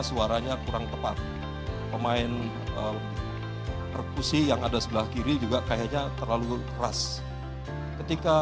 suaranya kurang tepat pemain perkusi yang ada sebelah kiri juga kayaknya terlalu keras ketika